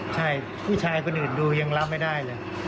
ใช่ผู้ชายคนอื่นดูยังรับไม่ได้เลย